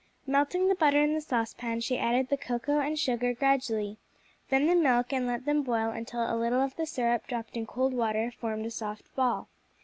Melting the butter in the saucepan she added the cocoa and sugar gradually, then the milk and let them boil until a little of the syrup dropped in cold water formed a soft ball.